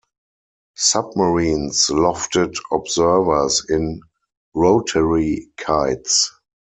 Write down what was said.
Submarines lofted observers in rotary kites.